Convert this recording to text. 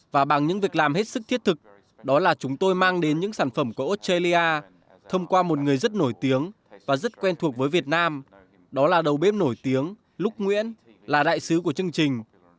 và bằng những việc làm hết sức thiết thực đó là chúng tôi mang đến những sản phẩm của australia thông qua một người rất nổi tiếng và rất quen thuộc với việt nam đó là đầu bếp nổi tiếng luke nguyễn là đại sứ của chương trình